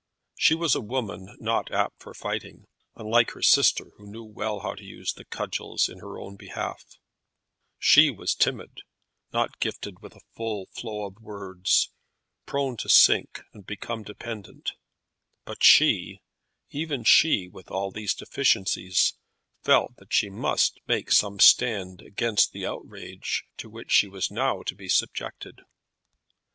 She was a woman not apt for fighting, unlike her sister, who knew well how to use the cudgels in her own behalf; she was timid, not gifted with a full flow of words, prone to sink and become dependent; but she, even she, with all these deficiencies, felt that she must make some stand against the outrage to which she was now to be subjected.